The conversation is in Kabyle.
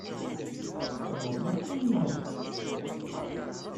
Tsebbɣem acebbub-nwen?